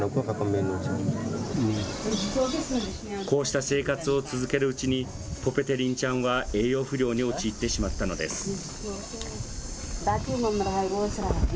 こうした生活を続けるうちに、ポペテリンちゃんは栄養不良に陥ってしまったのです。